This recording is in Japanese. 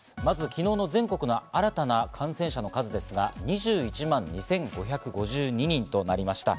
昨日全国の新たな感染者の数ですが２１万２５５２人。となりました。